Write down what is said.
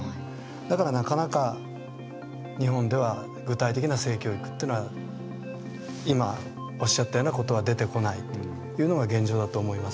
だから、なかなか日本では具体的な性教育っていうのは今、おっしゃったようなことは出てこないというのが現状だと思います。